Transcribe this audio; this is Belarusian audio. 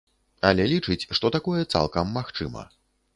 Але лічыць, што такое цалкам магчыма.